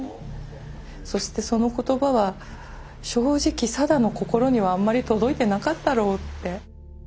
そしてその言葉は正直定の心にはあんまり届いてなかったろうって。